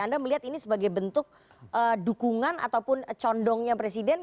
anda melihat ini sebagai bentuk dukungan ataupun condongnya presiden